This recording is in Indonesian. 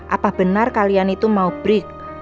apa benar kalian itu mau break